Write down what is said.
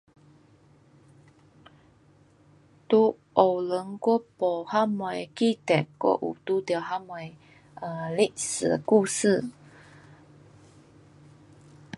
在学堂我没什么记得我有遇到什么 um 历史故事。